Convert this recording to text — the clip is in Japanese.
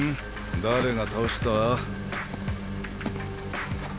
誰が倒した？